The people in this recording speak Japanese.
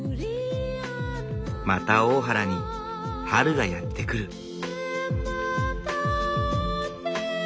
また大原に春がやって来る。